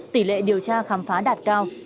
tỷ lệ điều tra khám phá đạt cao